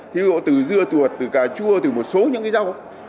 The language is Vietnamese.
thí dụ từ dưa tuột từ cà chua từ một số những cái rau